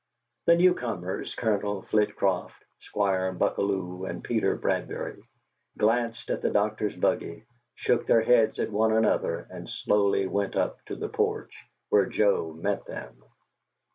The new comers, Colonel Flitcroft, Squire Buckalew, and Peter Bradbury, glanced at the doctor's buggy, shook their heads at one another, and slowly went up to the porch, where Joe met them.